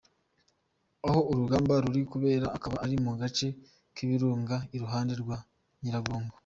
Aho urugamba ruri kubera akaba ari mu gace k’ibirunga iruhande rwa Nyiragongo.